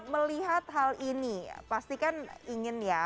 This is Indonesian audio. melihat hal ini pastikan ingin ya